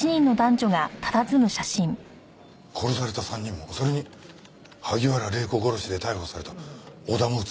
殺された３人もそれに萩原礼子殺しで逮捕された小田も写っています。